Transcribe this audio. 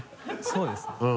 そうですね。